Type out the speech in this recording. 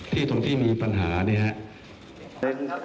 ตรงที่มีปัญหาเนี่ยครับ